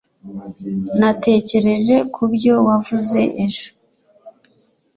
natekereje kubyo wavuze ejo